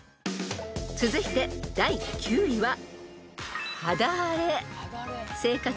［続いて第９位は］